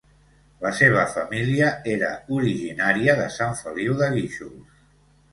La seva família era originària de Sant Feliu de Guíxols.